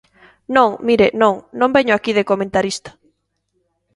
Non, mire, non, non veño aquí de comentarista.